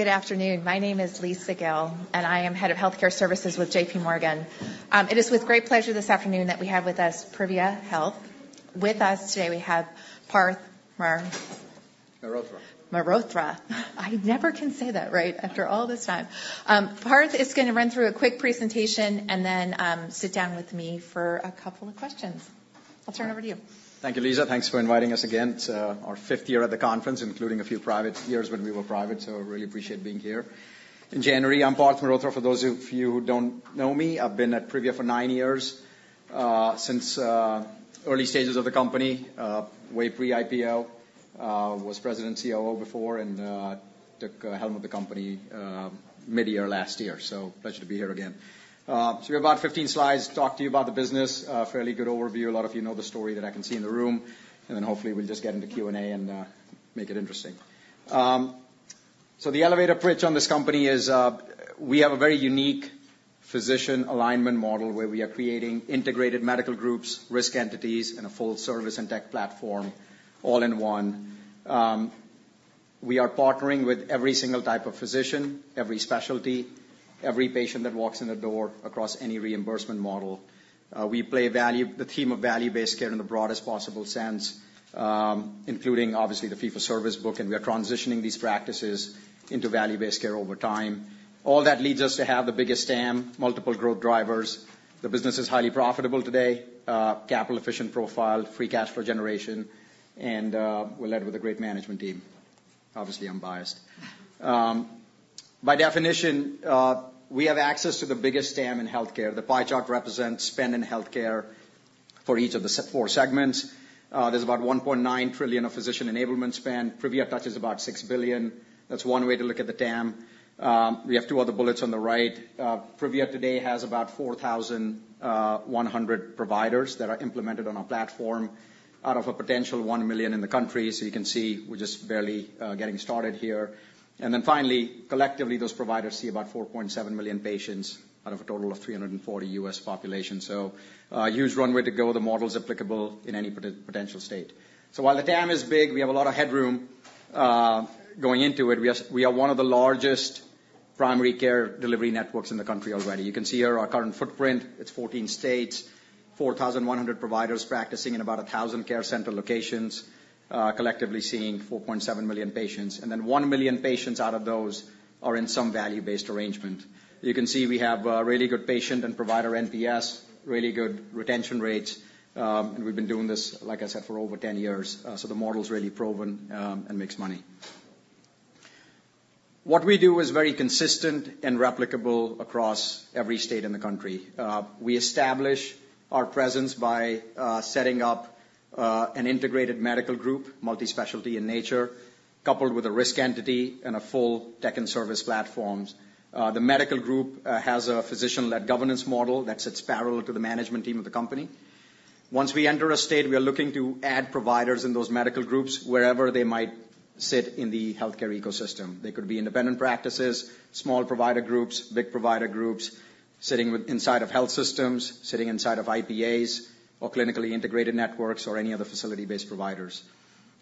Good afternoon. My name is Lisa Gill, and I am Head of Healthcare Services with JPMorgan. It is with great pleasure this afternoon that we have with us Privia Health. With us today, we have Parth Mar- Mehrotra Mehrotra. I never can say that right after all this time. Parth is gonna run through a quick presentation and then sit down with me for a couple of questions. I'll turn it over to you. Thank you, Lisa. Thanks for inviting us again. It's our fifth year at the conference, including a few private years when we were private, so really appreciate being here. In general, I'm Parth Mehrotra, for those of you who don't know me. I've been at Privia for nine years, since early stages of the company, way pre-IPO. Was President and COO before, and took helm of the company, mid-year last year, so pleasure to be here again. So we have about 15 slides to talk to you about the business. A fairly good overview. A lot of you know the story that I can see in the room, and then hopefully we'll just get into Q&A and make it interesting. So the elevator pitch on this company is, we have a very unique physician alignment model, where we are creating integrated medical groups, risk entities, and a full service and tech platform all in one. We are partnering with every single type of physician, every specialty, every patient that walks in the door across any reimbursement model. We play the theme of value-based care in the broadest possible sense, including obviously the fee-for-service book, and we are transitioning these practices into value-based care over time. All that leads us to have the biggest TAM, multiple growth drivers. The business is highly profitable today, capital efficient profile, free cash flow generation, and, we're led with a great management team. Obviously, I'm biased. By definition, we have access to the biggest TAM in healthcare. The pie chart represents spend in healthcare for each of the four segments. There's about $1.9 trillion of physician enablement spend. Privia touches about $6 billion. That's one way to look at the TAM. We have two other bullets on the right. Privia today has about 4,100 providers that are implemented on our platform, out of a potential 1 million in the country. So you can see, we're just barely getting started here. And then finally, collectively, those providers see about 4.7 million patients out of a total of 340 million U.S. population. So, huge runway to go. The model's applicable in any potential state. So while the TAM is big, we have a lot of headroom going into it. We are one of the largest primary care delivery networks in the country already. You can see here our current footprint. It's 14 states, 4,100 providers practicing in about 1,000 care center locations, collectively seeing 4.7 million patients, and then 1 million patients out of those are in some value-based arrangement. You can see we have really good patient and provider NPS, really good retention rates, and we've been doing this, like I said, for over 10 years. The model is really proven and makes money. What we do is very consistent and replicable across every state in the country. We establish our presence by setting up an integrated medical group, multi-specialty in nature, coupled with a risk entity and a full tech and service platforms. The medical group has a physician-led governance model that sits parallel to the management team of the company. Once we enter a state, we are looking to add providers in those medical groups, wherever they might sit in the healthcare ecosystem. They could be independent practices, small provider groups, big provider groups, sitting inside of health systems, sitting inside of IPAs or clinically integrated networks, or any other facility-based providers.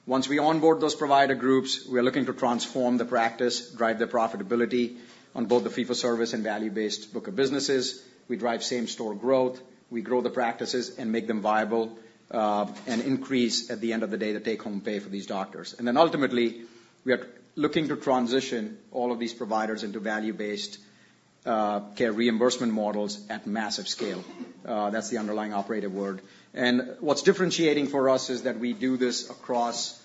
Once we onboard those provider groups, we are looking to transform the practice, drive their profitability on both the fee-for-service and value-based book of businesses. We drive same-store growth. We grow the practices and make them viable, and increase, at the end of the day, the take-home pay for these doctors. And then ultimately, we are looking to transition all of these providers into value-based care reimbursement models at massive scale. That's the underlying operative word. And what's differentiating for us is that we do this across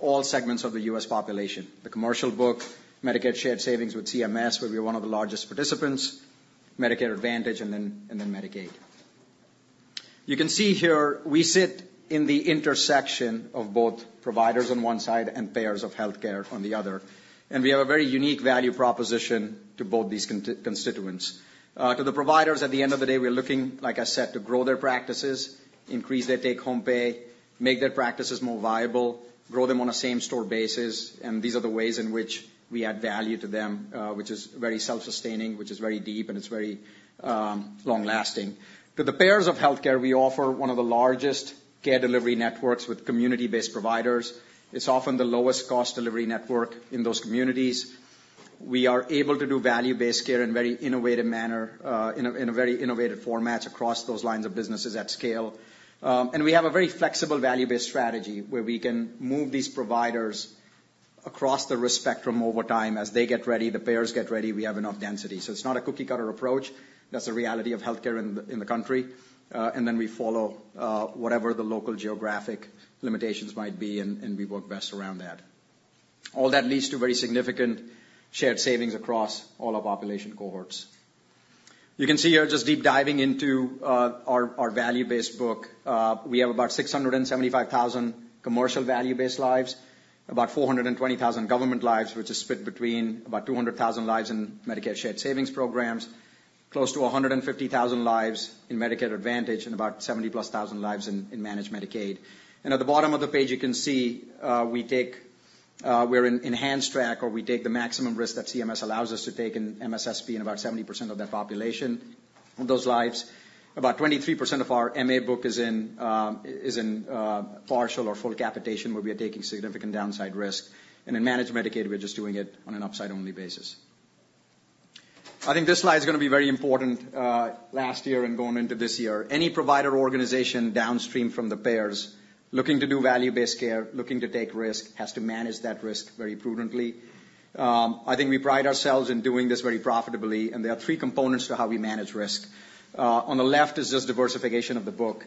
all segments of the U.S. population: the commercial book, Medicare shared savings with CMS, where we're one of the largest participants, Medicare Advantage, and then, and then Medicaid. You can see here, we sit in the intersection of both providers on one side and payers of healthcare on the other, and we have a very unique value proposition to both these constituents. To the providers, at the end of the day, we're looking, like I said, to grow their practices, increase their take-home pay, make their practices more viable, grow them on a same-store basis, and these are the ways in which we add value to them, which is very self-sustaining, which is very deep, and it's very long-lasting. To the payers of healthcare, we offer one of the largest care delivery networks with community-based providers. It's often the lowest cost delivery network in those communities. We are able to do value-based care in very innovative manner in a very innovative formats across those lines of businesses at scale. And we have a very flexible value-based strategy, where we can move these providers across the risk spectrum over time. As they get ready, the payers get ready, we have enough density. So it's not a cookie-cutter approach. That's the reality of healthcare in the country. And then we follow whatever the local geographic limitations might be, and we work best around that. All that leads to very significant shared savings across all our population cohorts. You can see here, just deep diving into our value-based book. We have about 675,000 commercial value-based lives, about 420,000 government lives, which is split between about 200,000 lives in Medicare Shared Savings Program, close to 150,000 lives in Medicare Advantage, and about 70,000+ lives in Managed Medicaid. At the bottom of the page, you can see, we take... we're in enhanced track, or we take the maximum risk that CMS allows us to take in MSSP in about 70% of that population... on those lives, about 23% of our MA book is in partial or full capitation, where we are taking significant downside risk, and in Managed Medicaid, we're just doing it on an upside-only basis. I think this slide is gonna be very important last year and going into this year. Any provider organization downstream from the payers looking to do value-based care, looking to take risk, has to manage that risk very prudently. I think we pride ourselves in doing this very profitably, and there are three components to how we manage risk. On the left is just diversification of the book.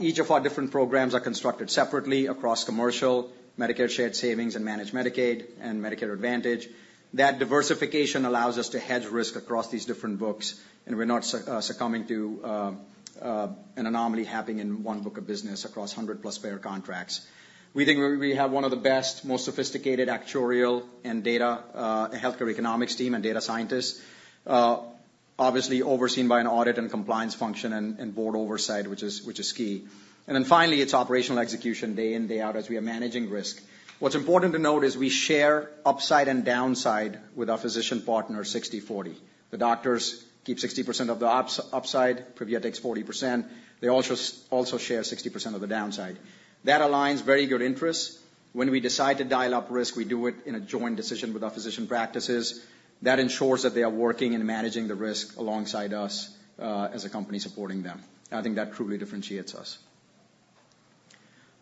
Each of our different programs are constructed separately across commercial, Medicare Shared Savings, and Managed Medicaid, and Medicare Advantage. That diversification allows us to hedge risk across these different books, and we're not succumbing to an anomaly happening in one book of business across 100+ payer contracts. We think we have one of the best, more sophisticated actuarial and data healthcare economics team and data scientists, obviously overseen by an audit and compliance function and board oversight, which is key. And then finally, it's operational execution day in, day out, as we are managing risk. What's important to note is we share upside and downside with our physician partners, 60/40. The doctors keep 60% of the upside, Privia takes 40%. They also share 60% of the downside. That aligns very good interests. When we decide to dial up risk, we do it in a joint decision with our physician practices. That ensures that they are working and managing the risk alongside us, as a company supporting them. I think that truly differentiates us.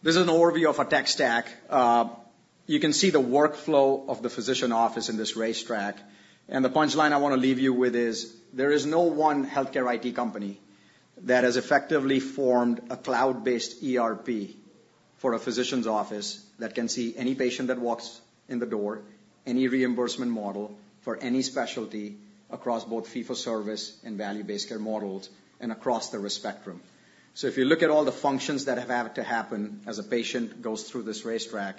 This is an overview of our tech stack. You can see the workflow of the physician office in this racetrack, and the punchline I wanna leave you with is, there is no one healthcare IT company that has effectively formed a cloud-based ERP for a physician's office that can see any patient that walks in the door, any reimbursement model for any specialty across both fee-for-service and value-based care models and across the risk spectrum. So if you look at all the functions that have had to happen as a patient goes through this racetrack,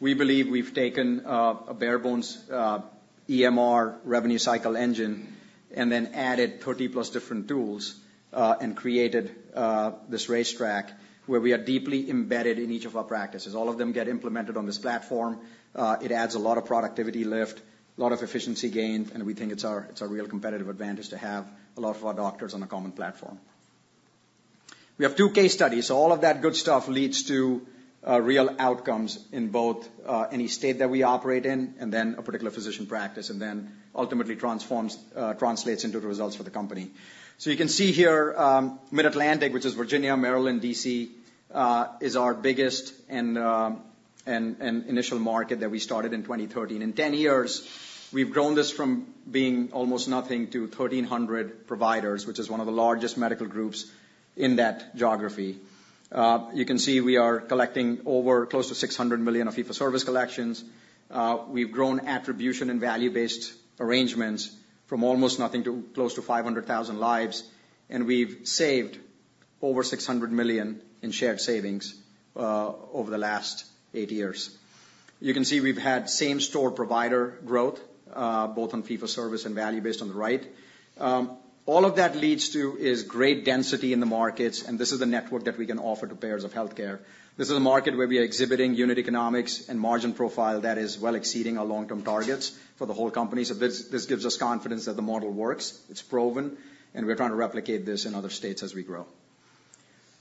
we believe we've taken a bare bones EMR revenue cycle engine and then added 30+ different tools and created this racetrack, where we are deeply embedded in each of our practices. All of them get implemented on this platform. It adds a lot of productivity lift, a lot of efficiency gained, and we think it's our, it's a real competitive advantage to have a lot of our doctors on a common platform. We have two case studies. So all of that good stuff leads to real outcomes in both any state that we operate in, and then a particular physician practice, and then ultimately transforms... translates into the results for the company. So you can see here, Mid-Atlantic, which is Virginia, Maryland, D.C., is our biggest and initial market that we started in 2013. In 10 years, we've grown this from being almost nothing to 1,300 providers, which is one of the largest medical groups in that geography. You can see we are collecting over close to $600 million of fee-for-service collections. We've grown attribution and value-based arrangements from almost nothing to close to 500,000 lives, and we've saved over $600 million in shared savings over the last eight years. You can see we've had same store provider growth both on fee-for-service and value-based on the right. All of that leads to is great density in the markets, and this is the network that we can offer to payers of healthcare. This is a market where we are exhibiting unit economics and margin profile that is well exceeding our long-term targets for the whole company. So this, this gives us confidence that the model works, it's proven, and we're trying to replicate this in other states as we grow.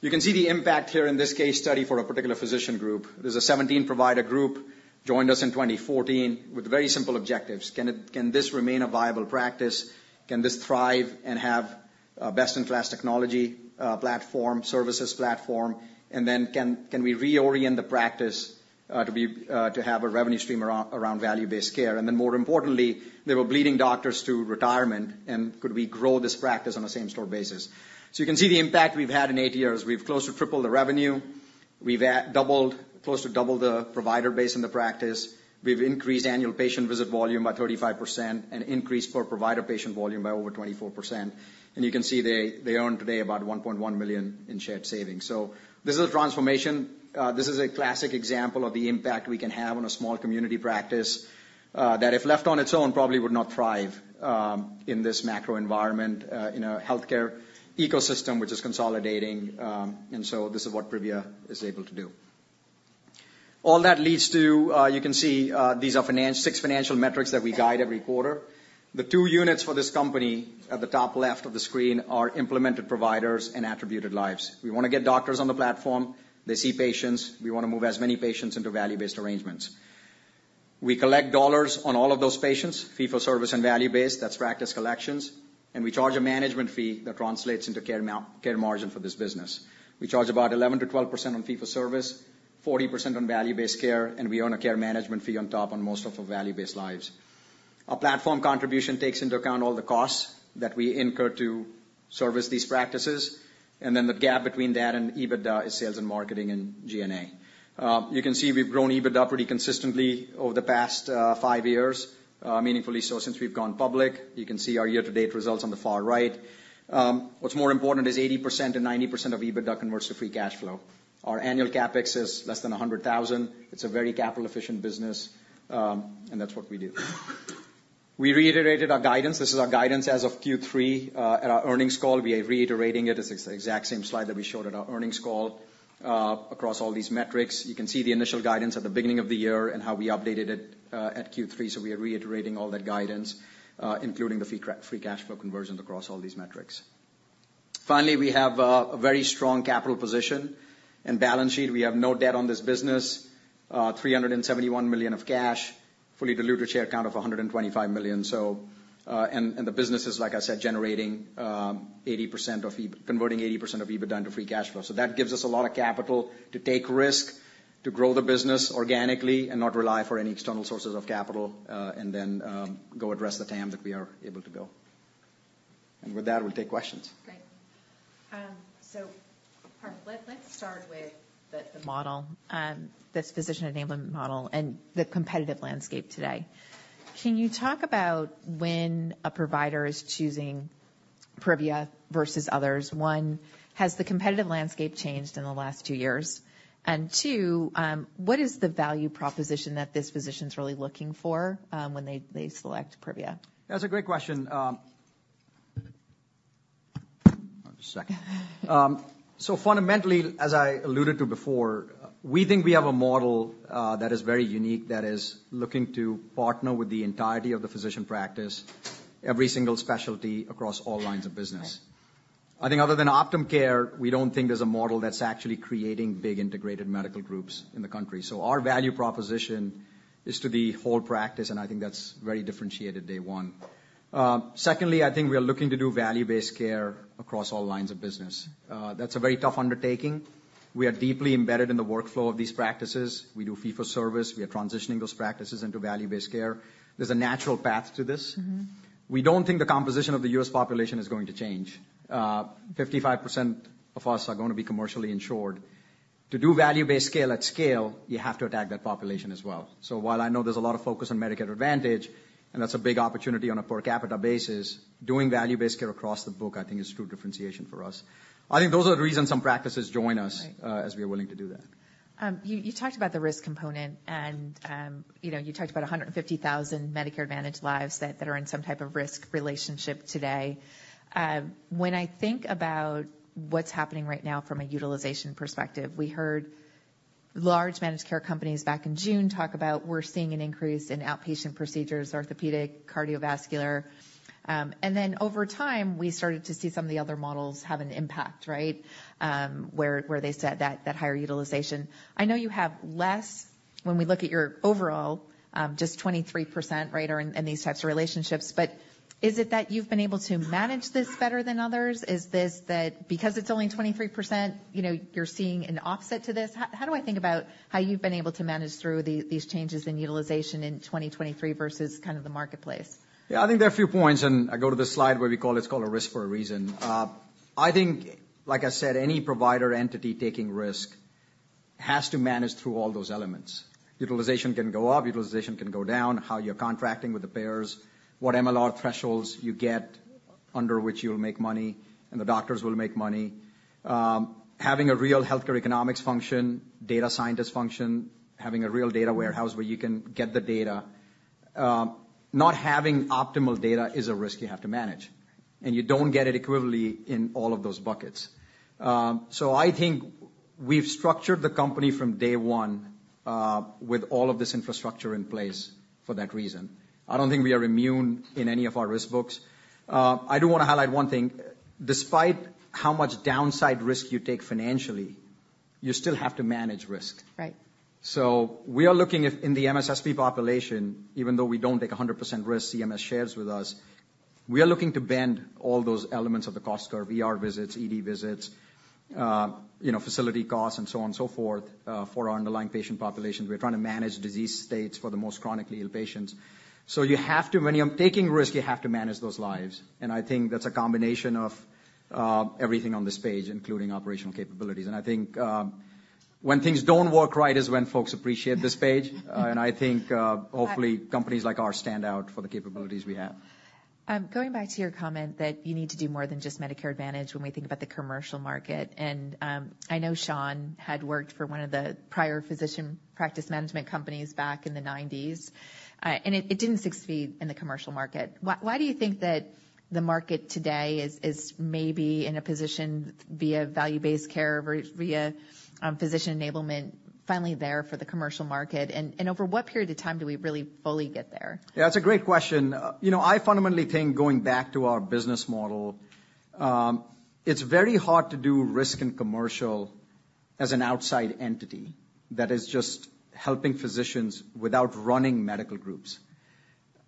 You can see the impact here in this case study for a particular physician group. This is a 17-provider group, joined us in 2014 with very simple objectives: Can it - can this remain a viable practice? Can this thrive and have best-in-class technology platform, services platform? And then, can we reorient the practice to be to have a revenue stream around value-based care? And then, more importantly, they were bleeding doctors to retirement, and could we grow this practice on a same-store basis? So you can see the impact we've had in eight years. We've close to triple the revenue. We've doubled, close to double the provider base in the practice. We've increased annual patient visit volume by 35% and increased per-provider patient volume by over 24%. And you can see they earn today about $1.1 million in shared savings. So this is a transformation. This is a classic example of the impact we can have on a small community practice that, if left on its own, probably would not thrive in this macro environment in a healthcare ecosystem which is consolidating. And so this is what Privia is able to do. All that leads to, you can see, these are six financial metrics that we guide every quarter. The two units for this company, at the top left of the screen, are implemented providers and Attributed Lives. We wanna get doctors on the platform. They see patients. We wanna move as many patients into value-based arrangements. We collect dollars on all of those patients, fee-for-service and value-based, that's practice collections, and we charge a management fee that translates into Care Margin for this business. We charge about 11%-12% on fee-for-service, 40% on value-based care, and we own a care management fee on top on most of our value-based lives. Our Platform Contribution takes into account all the costs that we incur to service these practices, and then the gap between that and EBITDA is sales and marketing and G&A. You can see we've grown EBITDA pretty consistently over the past five years, meaningfully so, since we've gone public. You can see our year-to-date results on the far right. What's more important is 80% and 90% of EBITDA converts to free cash flow. Our annual CapEx is less than $100,000. It's a very capital-efficient business, and that's what we do. We reiterated our guidance. This is our guidance as of Q3. At our earnings call, we are reiterating it. It's the exact same slide that we showed at our earnings call. Across all these metrics, you can see the initial guidance at the beginning of the year and how we updated it at Q3. So we are reiterating all that guidance, including the free cash flow conversion across all these metrics. Finally, we have a very strong capital position and balance sheet. We have no debt on this business, $371 million of cash, fully diluted share count of 125 million. So, and the business is, like I said, generating, converting 80% of EBITDA into free cash flow. So that gives us a lot of capital to take risk, to grow the business organically, and not rely for any external sources of capital, and then go address the TAM that we are able to go. And with that, we'll take questions. Great. So, Parth, let's start with the model, this physician enablement model and the competitive landscape today. Can you talk about when a provider is choosing Privia versus others? One, has the competitive landscape changed in the last two years? And two, what is the value proposition that this physicians are really looking for, when they select Privia? That's a great question. So fundamentally, as I alluded to before, we think we have a model that is very unique, that is looking to partner with the entirety of the physician practice, every single specialty across all lines of business. I think other than Optum Care, we don't think there's a model that's actually creating big integrated medical groups in the country. So our value proposition is to the whole practice, and I think that's very differentiated day one. Secondly, I think we are looking to do value-based care across all lines of business. That's a very tough undertaking. We are deeply embedded in the workflow of these practices. We do fee-for-service. We are transitioning those practices into value-based care. There's a natural path to this. We don't think the composition of the U.S. population is going to change. 55% of us are gonna be commercially insured. To do value-based scale at scale, you have to attack that population as well. So while I know there's a lot of focus on Medicare Advantage, and that's a big opportunity on a per capita basis, doing Value-Based Care across the book, I think, is true differentiation for us. I think those are the reasons some practices join us as we are willing to do that. You talked about the risk component, and you know, you talked about 150,000 Medicare Advantage lives that are in some type of risk relationship today. When I think about what's happening right now from a utilization perspective, we heard large managed care companies back in June talk about we're seeing an increase in outpatient procedures, orthopedic, cardiovascular. And then over time, we started to see some of the other models have an impact, right? Where they said that higher utilization. I know you have less when we look at your overall, just 23%, right, are in these types of relationships. But is it that you've been able to manage this better than others? Is this that because it's only 23%, you know, you're seeing an offset to this? How do I think about how you've been able to manage through these changes in utilization in 2023 versus kind of the marketplace? Yeah, I think there are a few points, and I go to this slide where we call it, it's called a risk for a reason. I think, like I said, any provider entity taking risk has to manage through all those elements. Utilization can go up, utilization can go down, how you're contracting with the payers, what MLR thresholds you get, under which you'll make money, and the doctors will make money. Having a real healthcare economics function, data scientist function, having a real data warehouse where you can get the data. Not having optimal data is a risk you have to manage, and you don't get it equivalently in all of those buckets. So I think we've structured the company from day one, with all of this infrastructure in place for that reason. I don't think we are immune in any of our risk books. I do wanna highlight one thing. Despite how much downside risk you take financially, you still have to manage risk. Right. So we are looking at, in the MSSP population, even though we don't take 100% risk, CMS shares with us, we are looking to bend all those elements of the cost curve, ER visits, ED visits, you know, facility costs, and so on and so forth, for our underlying patient population. We're trying to manage disease states for the most chronically ill patients. So you have to... When you're taking risk, you have to manage those lives, and I think that's a combination of, everything on this page, including operational capabilities. And I think, when things don't work right, is when folks appreciate this page. And I think, hopefully, companies like ours stand out for the capabilities we have. Going back to your comment that you need to do more than just Medicare Advantage when we think about the commercial market, and I know Shawn had worked for one of the prior physician practice management companies back in the nineties, and it didn't succeed in the commercial market. Why do you think that the market today is maybe in a position via value-based care, via physician enablement, finally there for the commercial market? Over what period of time do we really fully get there? Yeah, it's a great question. You know, I fundamentally think, going back to our business model, it's very hard to do risk and commercial as an outside entity that is just helping physicians without running medical groups.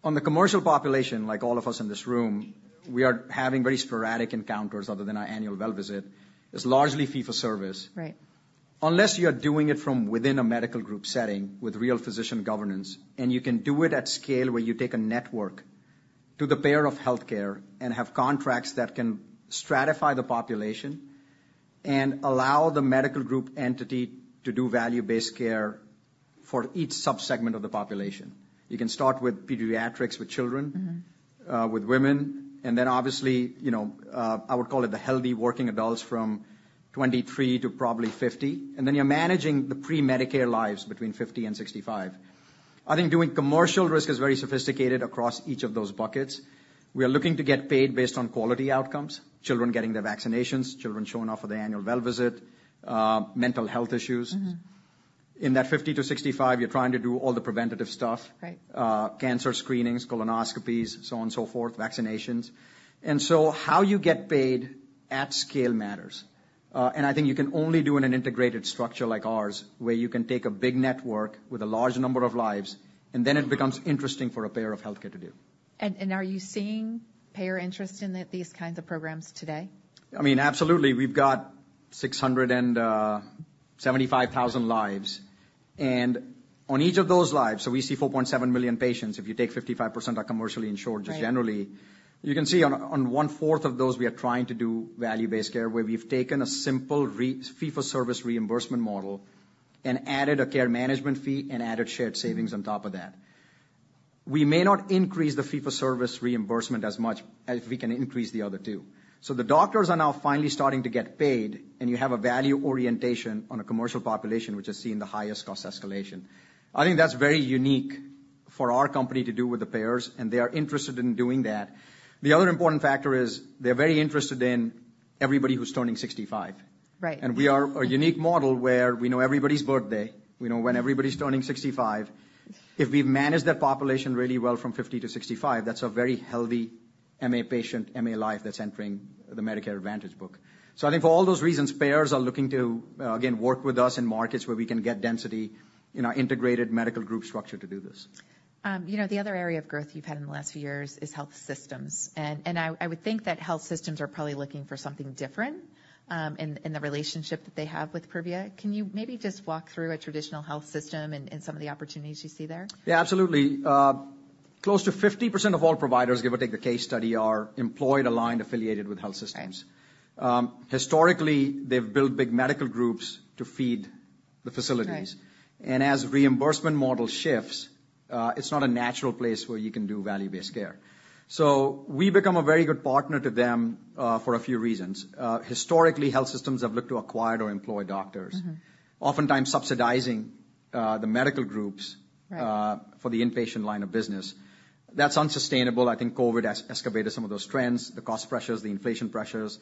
On the commercial population, like all of us in this room, we are having very sporadic encounters other than our annual well visit. It's largely fee-for-service. Right. Unless you are doing it from within a medical group setting with real physician governance, and you can do it at scale, where you take a network to the payer of healthcare and have contracts that can stratify the population and allow the medical group entity to do value-based care for each subsegment of the population. You can start with pediatrics, with children- Mm-hmm... with women, and then obviously, you know, I would call it the healthy working adults from 23 to probably 50. And then you're managing the pre-Medicare lives between 50 and 65. I think doing commercial risk is very sophisticated across each of those buckets. We are looking to get paid based on quality outcomes, children getting their vaccinations, children showing up for their annual well visit, mental health issues. Mm-hmm. ... in that 50-65, you're trying to do all the preventative stuff. Right. Cancer screenings, colonoscopies, so on so forth, vaccinations. And so how you get paid at scale matters. And I think you can only do in an integrated structure like ours, where you can take a big network with a large number of lives, and then it becomes interesting for a payer of healthcare to do. Are you seeing payer interest in these kinds of programs today? I mean, absolutely. We've got 675,000 lives, and on each of those lives... So we see 4.7 million patients. If you take 55% are commercially insured- Right Just generally, you can see on 1/4 of those, we are trying to do value-based care, where we've taken a simple fee-for-service reimbursement model and added a care management fee and added shared savings on top of that. We may not increase the fee-for-service reimbursement as much as we can increase the other two. So the doctors are now finally starting to get paid, and you have a value orientation on a commercial population, which is seeing the highest cost escalation. I think that's very unique for our company to do with the payers, and they are interested in doing that. The other important factor is they're very interested in everybody who's turning 65. Right. We are a unique model where we know everybody's birthday, we know when everybody's turning 65. If we manage that population really well from 50 to 65, that's a very healthy MA patient, MA life, that's entering the Medicare Advantage book. So I think for all those reasons, payers are looking to, again, work with us in markets where we can get density in our integrated medical group structure to do this. You know, the other area of growth you've had in the last few years is health systems, and I would think that health systems are probably looking for something different in the relationship that they have with Privia. Can you maybe just walk through a traditional health system and some of the opportunities you see there? Yeah, absolutely. Close to 50% of all providers, give or take, the case study, are employed, aligned, affiliated with health systems. Right. Historically, they've built big medical groups to feed the facilities. Right. As reimbursement model shifts, it's not a natural place where you can do value-based care. So we've become a very good partner to them for a few reasons. Historically, health systems have looked to acquire or employ doctors- Mm-hmm -oftentimes subsidizing the medical groups- Right... for the inpatient line of business. That's unsustainable. I think COVID has escalated some of those trends, the cost pressures, the inflation pressures.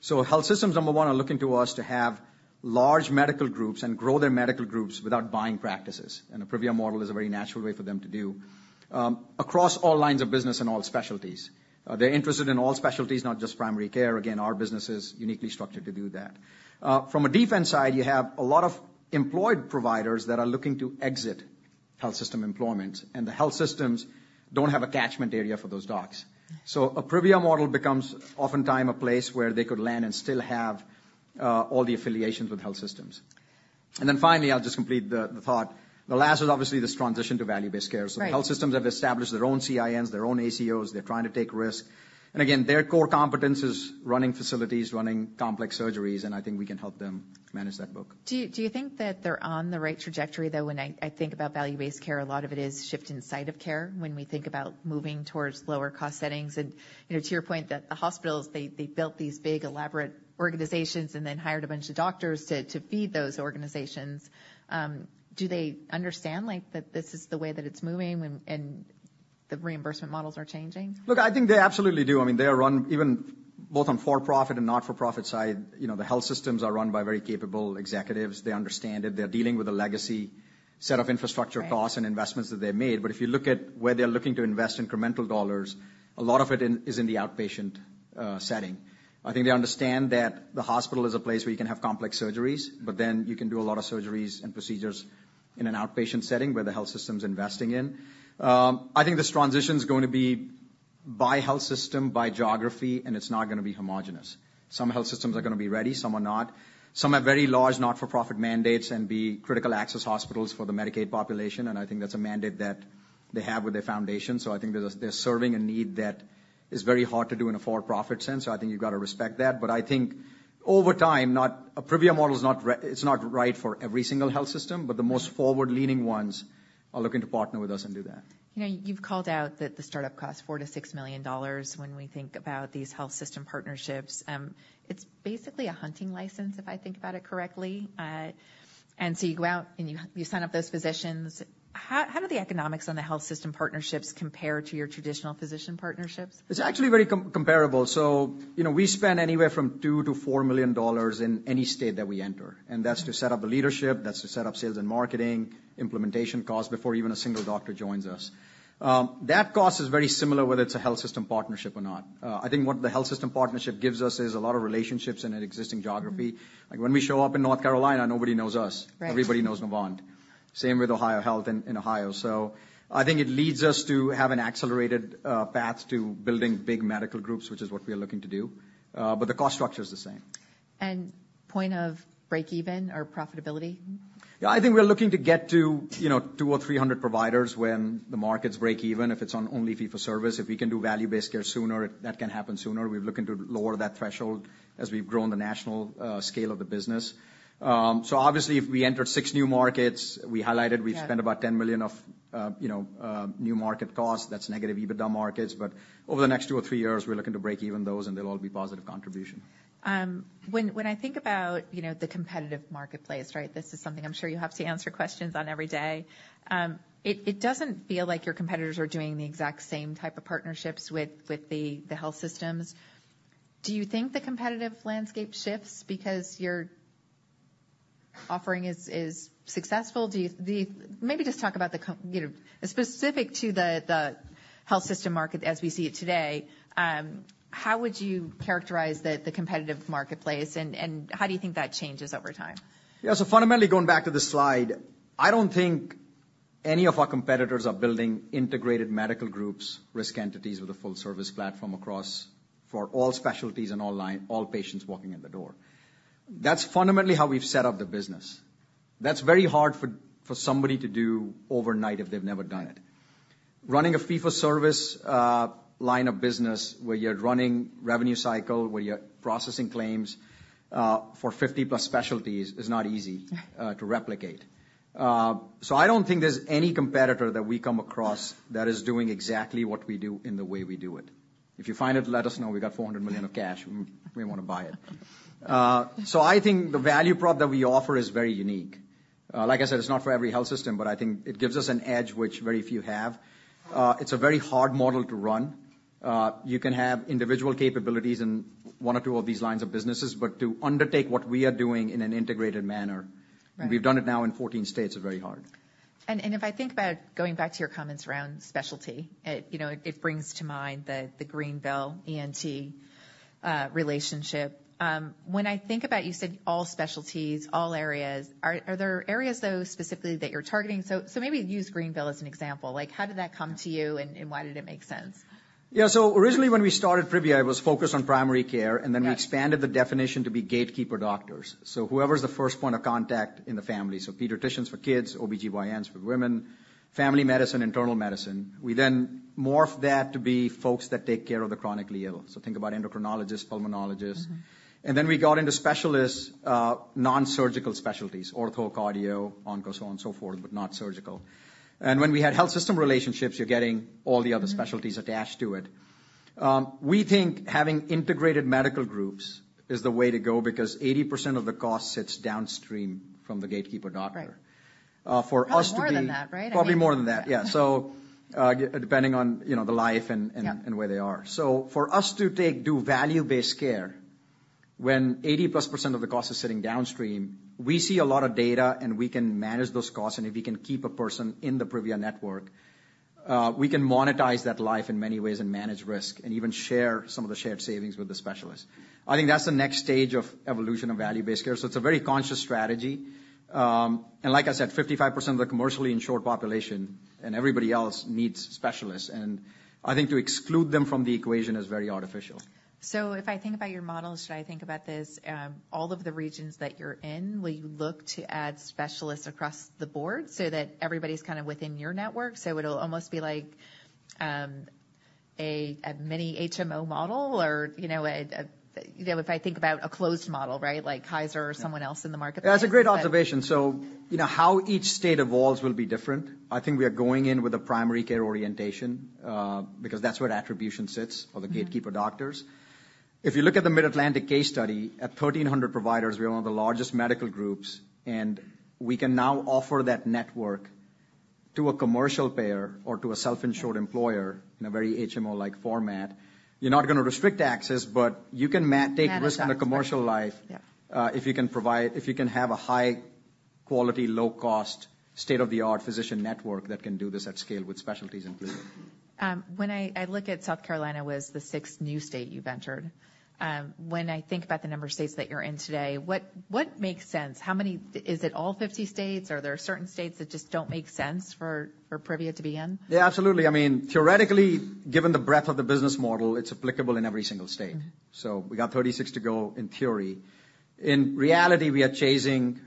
So health systems, number one, are looking to us to have large medical groups and grow their medical groups without buying practices, and the Privia model is a very natural way for them to do, across all lines of business and all specialties. They're interested in all specialties, not just primary care. Again, our business is uniquely structured to do that. From a defense side, you have a lot of employed providers that are looking to exit health system employment, and the health systems don't have a catchment area for those docs. So a Privia model becomes oftentimes a place where they could land and still have, all the affiliations with health systems. And then finally, I'll just complete the, the thought. The last is obviously this transition to value-based care. Right. So health systems have established their own CINs, their own ACOs. They're trying to take risks. And again, their core competence is running facilities, running complex surgeries, and I think we can help them manage that book. Do you think that they're on the right trajectory, though? When I think about value-based care, a lot of it is shift in site of care when we think about moving towards lower cost settings. You know, to your point, that the hospitals, they built these big, elaborate organizations and then hired a bunch of doctors to feed those organizations. Do they understand, like, that this is the way that it's moving and the reimbursement models are changing? Look, I think they absolutely do. I mean, they are run even both on for-profit and not-for-profit side, you know, the health systems are run by very capable executives. They understand it. They're dealing with a legacy set of infrastructure- Right -costs and investments that they've made. But if you look at where they're looking to invest incremental dollars, a lot of it in, is in the outpatient, setting. I think they understand that the hospital is a place where you can have complex surgeries, but then you can do a lot of surgeries and procedures in an outpatient setting where the health system's investing in. I think this transition is going to be by health system, by geography, and it's not gonna be homogeneous. Some health systems are gonna be ready, some are not. Some have very large, not-for-profit mandates and be critical access hospitals for the Medicaid population, and I think that's a mandate that they have with their foundation. So I think they're serving a need that is very hard to do in a for-profit sense, so I think you've got to respect that. But I think over time, a Privia model is not right for every single health system, but the most- Mm-hmm Forward-leaning ones are looking to partner with us and do that. You know, you've called out that the startup cost, $4 million-$6 million when we think about these health system partnerships. It's basically a hunting license, if I think about it correctly. And so you go out, and you sign up those physicians. How do the economics on the health system partnerships compare to your traditional physician partnerships? It's actually very comparable. So, you know, we spend anywhere from $2 million-$4 million in any state that we enter, and that's to set up a leadership, that's to set up sales and marketing, implementation costs, before even a single doctor joins us. That cost is very similar, whether it's a health system partnership or not. I think what the health system partnership gives us is a lot of relationships in an existing geography. Mm-hmm. Like, when we show up in North Carolina, nobody knows us. Right. Everybody knows Novant. Same with OhioHealth in Ohio. So I think it leads us to have an accelerated path to building big medical groups, which is what we are looking to do. But the cost structure is the same. Point of break even or profitability? Yeah, I think we're looking to get to, you know, 200 or 300 providers when the markets break even, if it's on only fee for service. If we can do value-based care sooner, that can happen sooner. We're looking to lower that threshold as we've grown the national scale of the business. So obviously, if we entered six new markets, we highlighted- Yeah -we've spent about $10 million of, you know, new market cost. That's negative EBITDA markets, but over the next two or three years, we're looking to break even those, and they'll all be positive contribution. When I think about, you know, the competitive marketplace, right? This is something I'm sure you have to answer questions on every day. It doesn't feel like your competitors are doing the exact same type of partnerships with the health systems. Do you think the competitive landscape shifts because your offering is successful? Do you maybe just talk about, you know, specific to the health system market as we see it today, how would you characterize the competitive marketplace, and how do you think that changes over time? Yeah, so fundamentally, going back to the slide, I don't think any of our competitors are building integrated medical groups, risk entities with a full-service platform across for all specialties and all line, all patients walking in the door. That's fundamentally how we've set up the business. That's very hard for somebody to do overnight if they've never done it. Running a fee-for-service line of business where you're running revenue cycle, where you're processing claims for 50+ specialties is not easy to replicate. So I don't think there's any competitor that we come across that is doing exactly what we do in the way we do it. If you find it, let us know. We've got $400 million of cash. We wanna buy it. So I think the value prop that we offer is very unique. like I said, it's not for every health system, but I think it gives us an edge, which very few have. It's a very hard model to run. You can have individual capabilities in one or two of these lines of businesses, but to undertake what we are doing in an integrated manner- Right. We've done it now in 14 states, is very hard. And if I think about going back to your comments around specialty, you know, it brings to mind the Greenville ENT relationship. When I think about you said all specialties, all areas, are there areas, though, specifically that you're targeting? So maybe use Greenville as an example. Like, how did that come to you, and why did it make sense? Yeah. So originally, when we started Privia, it was focused on primary care- Right. And then we expanded the definition to be gatekeeper doctors, so whoever's the first point of contact in the family. So pediatricians for kids, OBGYNs for women, family medicine, internal medicine. We then morphed that to be folks that take care of the chronically ill, so think about endocrinologists, pulmonologists. Mm-hmm. And then we got into specialists, nonsurgical specialties, ortho, cardio, onco, so on and so forth, but not surgical. And when we had health system relationships, you're getting all the other specialties attached to it. We think having integrated medical groups is the way to go because 80% of the cost sits downstream from the gatekeeper doctor. Right. For us to be- Probably more than that, right? Probably more than that, yeah. So, depending on, you know, the life and- Yeah... and where they are. So for us to do value-based care, when 80%+ of the cost is sitting downstream, we see a lot of data, and we can manage those costs, and if we can keep a person in the Privia network, we can monetize that life in many ways and manage risk and even share some of the shared savings with the specialist. I think that's the next stage of evolution of value-based care, so it's a very conscious strategy. And like I said, 55% of the commercially insured population and everybody else needs specialists, and I think to exclude them from the equation is very artificial. So if I think about your model, should I think about this, all of the regions that you're in, will you look to add specialists across the board so that everybody's kind of within your network, so it'll almost be like, a mini HMO model? Or you know, if I think about a closed model, right, like Kaiser or someone else in the marketplace. That's a great observation. So you know how each state evolves will be different. I think we are going in with a primary care orientation, because that's where attribution sits- Mm-hmm. for the gatekeeper doctors. If you look at the Mid-Atlantic case study, at 1,300 providers, we are one of the largest medical groups, and we can now offer that network to a commercial payer or to a self-insured employer in a very HMO-like format. You're not gonna restrict access, but you can take risk- Manage it... in a commercial life- Yeah... if you can provide-- if you can have a high-quality, low-cost, state-of-the-art physician network that can do this at scale with specialties included. When I look at South Carolina was the sixth new state you've entered, when I think about the number of states that you're in today, what makes sense? How many... Is it all 50 states, or are there certain states that just don't make sense for Privia to be in? Yeah, absolutely. I mean, theoretically, given the breadth of the business model, it's applicable in every single state. Mm-hmm. So we got 36 to go, in theory. In reality, we are chasing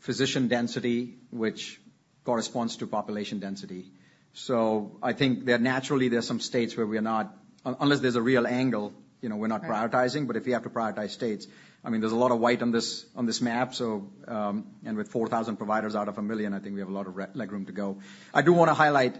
physician density, which corresponds to population density. So I think there are naturally some states where we are not unless there's a real angle, you know, we're not prioritizing. Right. But if you have to prioritize states, I mean, there's a lot of white on this, on this map, so, and with 4,000 providers out of 1,000,000, I think we have a lot of legroom to go. I do wanna highlight,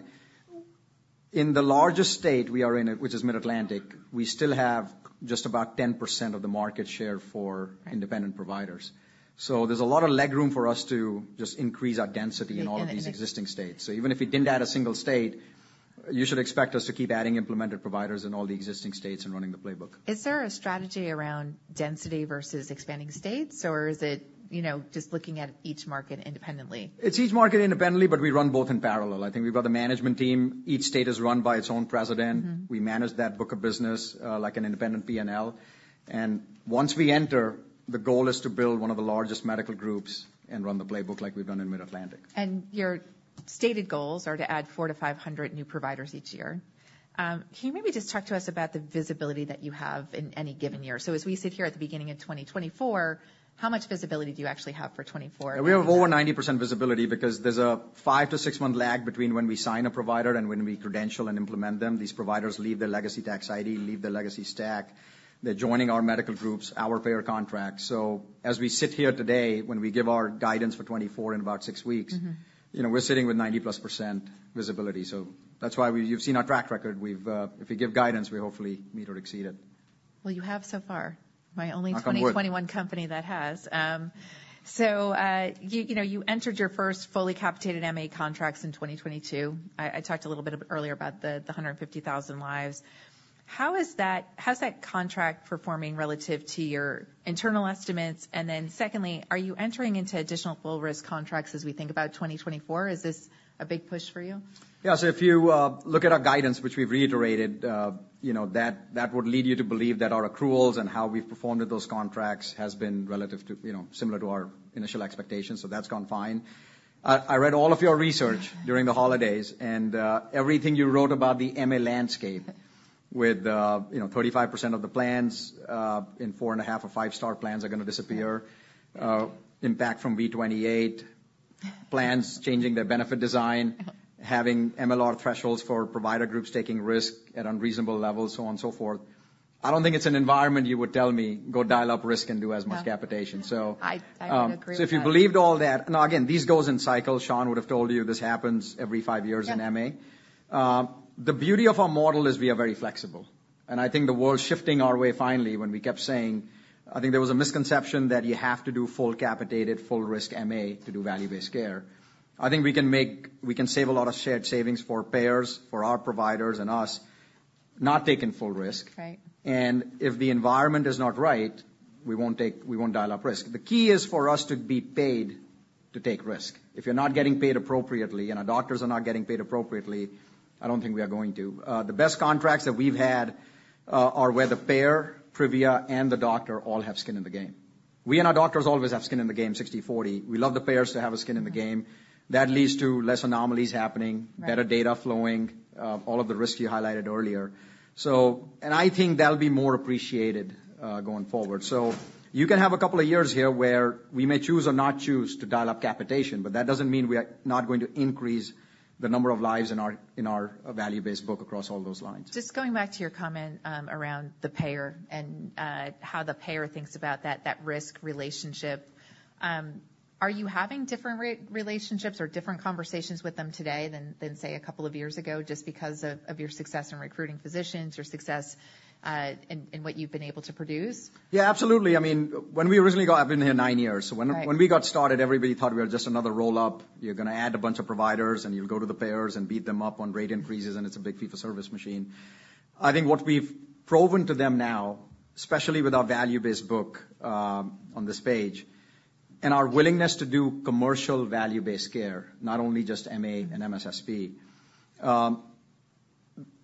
in the largest state we are in, which is Mid-Atlantic, we still have just about 10% of the market share for independent providers. So there's a lot of legroom for us to just increase our density- In these- in all of these existing states. So even if we didn't add a single state, you should expect us to keep adding implemented providers in all the existing states and running the playbook. Is there a strategy around density versus expanding states, or is it, you know, just looking at each market independently? It's each market independently, but we run both in parallel. I think we've got a management team. Each state is run by its own president. Mm-hmm. We manage that book of business, like an independent P&L, and once we enter, the goal is to build one of the largest medical groups and run the playbook like we've done in Mid-Atlantic. Your stated goals are to add 400-500 new providers each year. Can you maybe just talk to us about the visibility that you have in any given year? As we sit here at the beginning of 2024, how much visibility do you actually have for 2024? We have over 90% visibility because there's a 5- to 6-month lag between when we sign a provider and when we credential and implement them. These providers leave their legacy tax ID, leave their legacy stack. They're joining our medical groups, our payer contracts. So as we sit here today, when we give our guidance for 2024 in about six weeks- Mm-hmm ... you know, we're sitting with 90%+ visibility, so that's why we—you've seen our track record. We've. If we give guidance, we hopefully meet or exceed it. Well, you're the only 2021 company that has. You know, you entered your first fully capitated MA contracts in 2022. I talked a little bit earlier about the 150,000 lives. How's that contract performing relative to your internal estimates? And then secondly, are you entering into additional full risk contracts as we think about 2024? Is this a big push for you? Yeah, so if you look at our guidance, which we've reiterated, you know, that would lead you to believe that our accruals and how we've performed with those contracts has been relative to, you know, similar to our initial expectations, so that's gone fine. I read all of your research during the holidays, and everything you wrote about the MA landscape with, you know, 35% of the plans in 4.5- or five-star plans are gonna disappear, impact from V28, plans changing their benefit design- Yep. having MLR thresholds for provider groups taking risk at unreasonable levels, so on and so forth. I don't think it's an environment you would tell me, "Go dial up risk and do as much capitation. No. So- I would agree with that. So, if you believed all that... Now, again, this goes in cycles. Sean would have told you this happens every five years in MA. Yep. The beauty of our model is we are very flexible, and I think the world's shifting our way finally, when we kept saying... I think there was a misconception that you have to do full capitated, full risk MA to do Value-Based Care. I think we can save a lot of shared savings for payers, for our providers and us, not taking full risk. Right. If the environment is not right, we won't dial up risk. The key is for us to be paid to take risk. If you're not getting paid appropriately, and our doctors are not getting paid appropriately, I don't think we are going to. The best contracts that we've had are where the payer, Privia, and the doctor all have skin in the game. We and our doctors always have skin in the game, 60/40. We love the payers to have a skin in the game. That leads to less anomalies happening- Right. better data flowing, all of the risks you highlighted earlier. So... And I think that'll be more appreciated, going forward. So you can have a couple of years here where we may choose or not choose to dial up capitation, but that doesn't mean we are not going to increase the number of lives in our value-based book across all those lines. Just going back to your comment, around the payer and, how the payer thinks about that, that risk relationship. Are you having different relationships or different conversations with them today than, say, a couple of years ago, just because of your success in recruiting physicians, your success in what you've been able to produce? Yeah, absolutely. I mean, when we originally got... I've been here nine years. Right. So when we got started, everybody thought we were just another roll-up. You're gonna add a bunch of providers, and you'll go to the payers and beat them up on rate increases, and it's a big fee-for-service machine. I think what we've proven to them now, especially with our value-based book on this page, and our willingness to do commercial value-based care, not only just MA and MSSP.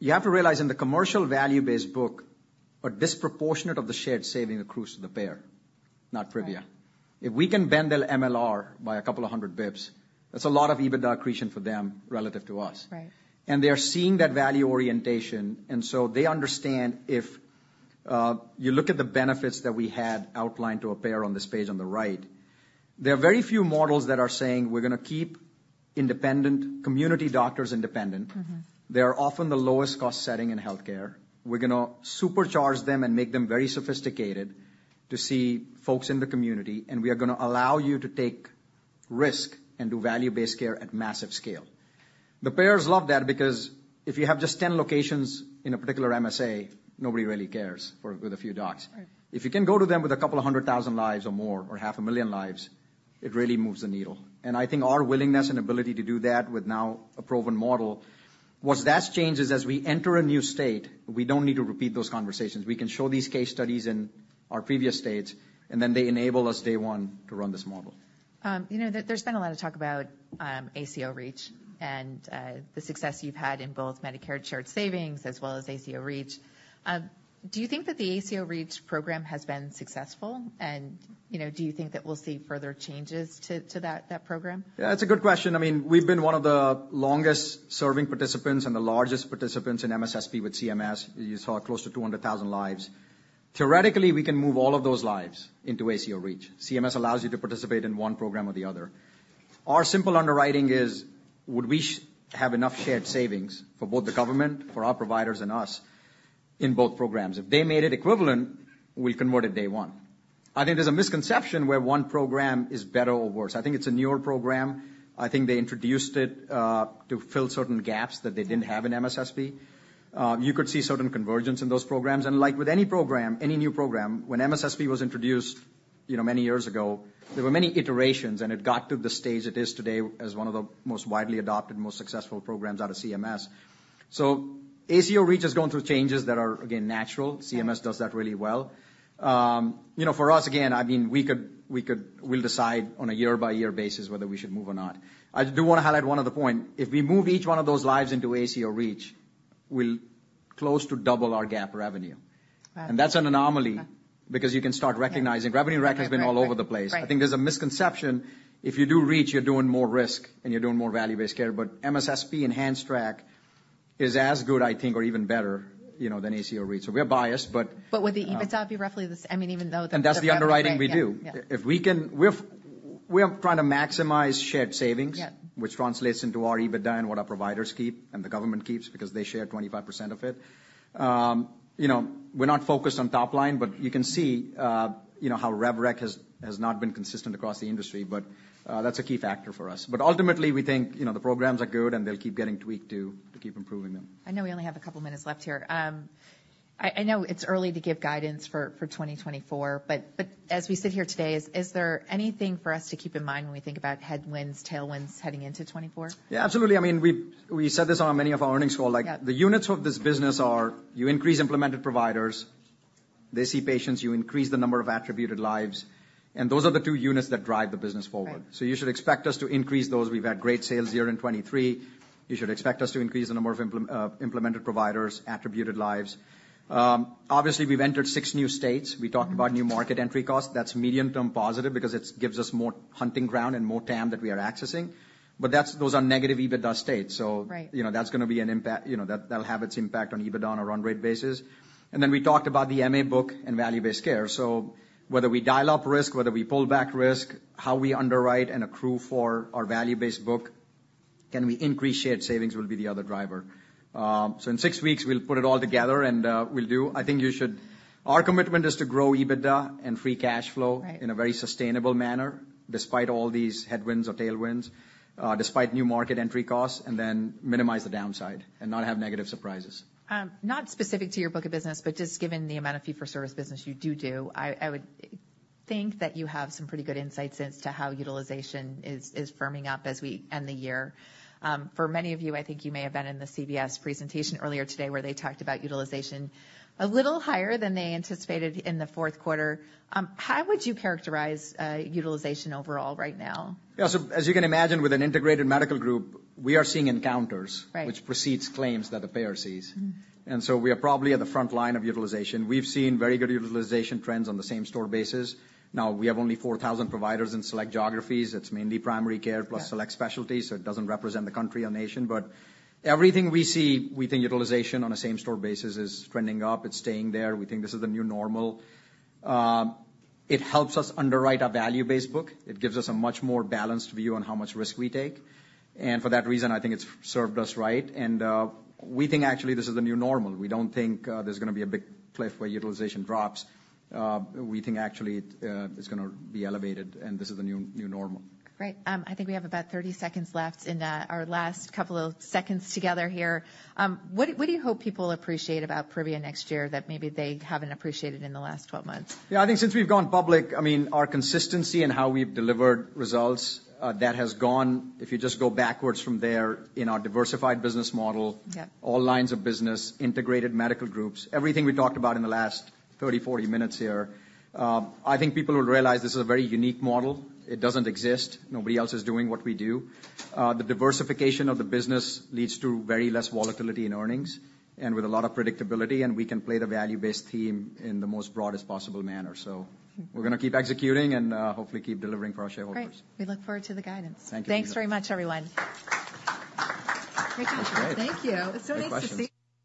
You have to realize, in the commercial value-based book, a disproportionate of the shared saving accrues to the payer, not Privia. Right. If we can bend the MLR by 100 basis points, that's a lot of EBITDA accretion for them relative to us. Right. They are seeing that value orientation, and so they understand, if you look at the benefits that we had outlined to a payer on this page on the right, there are very few models that are saying we're gonna keep independent community doctors independent. Mm-hmm. They are often the lowest cost setting in healthcare. We're gonna supercharge them and make them very sophisticated to see folks in the community, and we are gonna allow you to take risk and do value-based care at massive scale. The payers love that because if you have just 10 locations in a particular MSA, nobody really cares for- with a few docs. Right. If you can go to them with 200,000 lives or more, or 500,000 lives, it really moves the needle. I think our willingness and ability to do that with now a proven model, what that changes as we enter a new state, we don't need to repeat those conversations. We can show these case studies in our previous states, and then they enable us, day one, to run this model. You know, there's been a lot of talk about ACO REACH and the success you've had in both Medicare Shared Savings as well as ACO REACH. Do you think that the ACO REACH program has been successful? You know, do you think that we'll see further changes to that program? Yeah, it's a good question. I mean, we've been one of the longest-serving participants and the largest participants in MSSP with CMS. You saw close to 200,000 lives. Theoretically, we can move all of those lives into ACO REACH. CMS allows you to participate in one program or the other. Our simple underwriting is: would we have enough shared savings for both the government, for our providers and us, in both programs? If they made it equivalent, we converted day one. I think there's a misconception where one program is better or worse. I think it's a newer program. I think they introduced it to fill certain gaps that they didn't have in MSSP. You could see certain convergence in those programs. Like with any program, any new program, when MSSP was introduced, you know, many years ago, there were many iterations, and it got to the stage it is today as one of the most widely adopted, most successful programs out of CMS. So ACO REACH is going through changes that are, again, natural. CMS does that really well. You know, for us, again, I mean, we'll decide on a year-by-year basis whether we should move or not. I do wanna highlight one other point. If we move each one of those lives into ACO REACH, we'll close to double our GAAP revenue. Wow. And that's an anomaly- Yeah. - because you can start recognizing- Right. Revenue rec has been all over the place. Right. I think there's a misconception if you do REACH, you're doing more risk, and you're doing more value-based care, but MSSP and Enhanced Track is as good, I think, or even better, you know, than ACO REACH. So we are biased, but. Would the EBITDA be roughly the same, I mean, even though the... That's the underwriting we do. Yeah, yeah. We are trying to maximize shared savings. Yeah which translates into our EBITDA and what our providers keep and the government keeps, because they share 25% of it. You know, we're not focused on top line, but you can see, you know, how rev rec has not been consistent across the industry. But that's a key factor for us. But ultimately, we think, you know, the programs are good, and they'll keep getting tweaked to keep improving them. I know we only have a couple minutes left here. I know it's early to give guidance for 2024, but as we sit here today, is there anything for us to keep in mind when we think about headwinds, tailwinds heading into 2024? Yeah, absolutely. I mean, we said this on many of our earnings calls. Yeah. Like, the units of this business are you increase implemented providers, they see patients, you increase the number of Attributed Lives, and those are the two units that drive the business forward. Right. You should expect us to increase those. We've had great sales year in 2023. You should expect us to increase the number of implemented providers, Attributed Lives. Obviously, we've entered six new states. Mm-hmm. We talked about new market entry costs. That's medium-term positive because it gives us more hunting ground and more TAM that we are accessing, but that's, those are negative EBITDA states. Right. So, you know, that's gonna be an impact, you know, that, that'll have its impact on EBITDA on a run rate basis. And then we talked about the MA book and value-based care. So whether we dial up risk, whether we pull back risk, how we underwrite and accrue for our value-based book, can we increase shared savings, will be the other driver. So in six weeks, we'll put it all together, and we'll do... I think you should-- Our commitment is to grow EBITDA and free cash flow- Right... in a very sustainable manner, despite all these headwinds or tailwinds, despite new market entry costs, and then minimize the downside and not have negative surprises. Not specific to your book of business, but just given the amount of fee-for-service business you do do, I would think that you have some pretty good insights as to how utilization is, is firming up as we end the year. For many of you, I think you may have been in the CVS presentation earlier today, where they talked about utilization a little higher than they anticipated in the fourth quarter. How would you characterize utilization overall right now? Yeah, so as you can imagine, with an integrated medical group, we are seeing encounters- Right... which precedes claims that the payer sees. Mm-hmm. And so we are probably at the front line of utilization. We've seen very good utilization trends on the same-store basis. Now, we have only 4,000 providers in select geographies. It's mainly primary care- Yeah... plus select specialties, so it doesn't represent the country or nation. But everything we see, we think utilization on a same-store basis is trending up. It's staying there. We think this is the new normal. It helps us underwrite our value-based book. It gives us a much more balanced view on how much risk we take, and for that reason, I think it's served us right. And we think actually this is the new normal. We don't think there's gonna be a big cliff where utilization drops. We think actually it's gonna be elevated, and this is the new normal. Great. I think we have about 30 seconds left in our last couple of seconds together here. What, what do you hope people appreciate about Privia next year, that maybe they haven't appreciated in the last 12 months? Yeah, I think since we've gone public, I mean, our consistency in how we've delivered results, that has gone... If you just go backwards from there, in our diversified business model- Yep... all lines of business, integrated medical groups, everything we talked about in the last 30, 40 minutes here, I think people will realize this is a very unique model. It doesn't exist. Nobody else is doing what we do. The diversification of the business leads to very less volatility in earnings and with a lot of predictability, and we can play the value-based theme in the most broadest possible manner. Mm-hmm. We're gonna keep executing and, hopefully keep delivering for our shareholders. Great. We look forward to the guidance. Thank you. Thanks very much, everyone. Great job. Thank you. Great questions. It's so nice to see you.